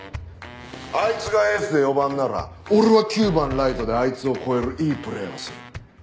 あいつがエースで４番なら俺は９番ライトであいつを超えるいいプレーをする。